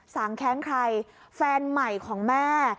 สางแค้นใครแฟนใหม่ของแม่